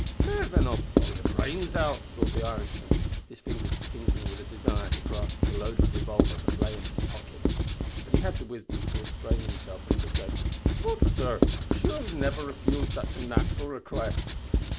"Fair, then, I'll blow your brains out" thought the Irishman, his fingers tingling with a desire to grasp the loaded revolver that lay in his pocket, but he had the wisdom to restrain himself and to say, "Och! sor, sure ye'll niver refuse such a nat'ral request.